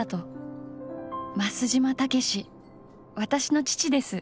増島健私の父です。